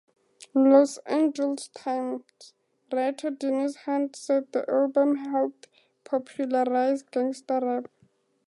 "Los Angeles Times" writer Dennis Hunt said the album helped popularize gangsta rap.